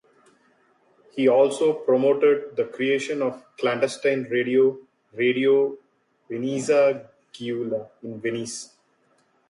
He also promoted the creation of the clandestine radio "Radio Venezia Giulia" in Venice.